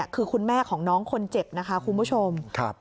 คือคุณแม่ของน้องคนเจ็บนะคะคุณผู้ชม